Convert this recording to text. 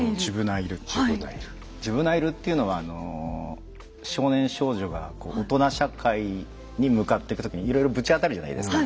ジュブナイルっていうのは少年少女がこう大人社会に向かってく時にいろいろぶち当たるじゃないですか。